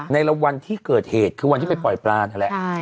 ในวันที่เกิดเหตุคือวันที่ไปปล่อยปลานั่นแหละ